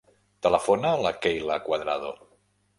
Telefona a la Keyla Cuadrado.